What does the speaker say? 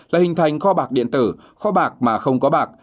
là hình thành kho bạc điện tử kho bạc mà không có bạc